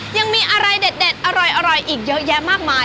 ยังมีอะไรเด็ดอร่อยอีกเยอะแยะมากมาย